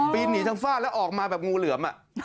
หนีทางฝ้าแล้วออกมาแบบงูเหลือม